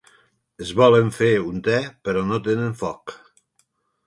Es volen fer un te però no tenen foc.